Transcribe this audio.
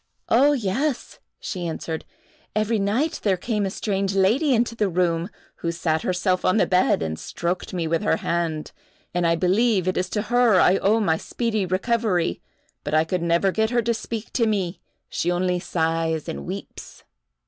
"Oh, yes," she answered; "every night there came a strange lady into the room, who sat herself on the bed and stroked me with her hand, and I believe it is to her I owe my speedy recovery; but I could never get her to speak to me—she only sighs and weeps."